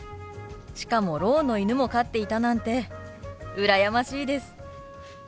しかもろうの犬も飼っていたなんて羨ましいです。